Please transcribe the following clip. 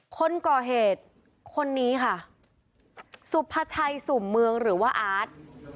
คนก่อเหตุคนนี้ค่ะสุภาชัยสุ่มเมืองหรือว่าอาร์ต